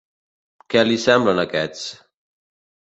Què li semblen aquests.?